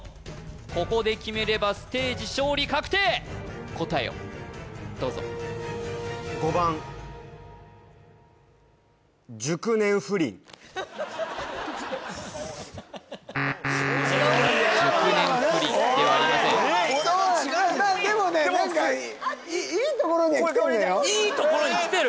ここで決めればステージ勝利確定答えをどうぞ熟年不倫ではありませんでもね何かいいところにきてる？